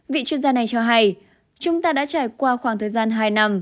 vị chuyên gia này cho hay chúng ta đã trải qua khoảng thời gian hai năm